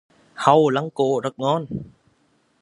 Hàu Lăng Cô rất ngon